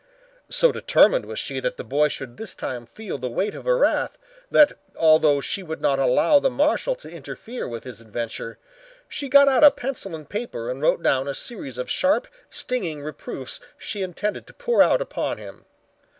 So determined was she that the boy should this time feel the weight of her wrath that, although she would not allow the marshal to interfere with his adventure, she got out a pencil and paper and wrote down a series of sharp, stinging reproofs she intended to pour out upon him.